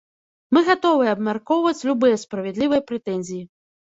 Мы гатовыя абмяркоўваць любыя справядлівыя прэтэнзіі.